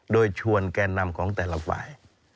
โดยชวนแก่นำของแต่ละฝ่าย